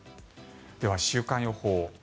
では、週間予報。